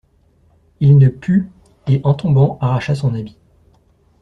Il ne put, et, en tombant, arracha son habit.